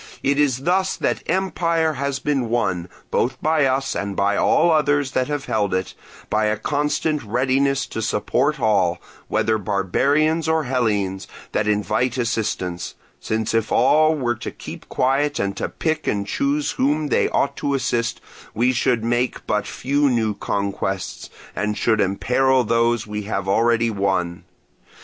It is thus that empire has been won, both by us and by all others that have held it, by a constant readiness to support all, whether barbarians or Hellenes, that invite assistance; since if all were to keep quiet or to pick and choose whom they ought to assist, we should make but few new conquests, and should imperil those we have already won.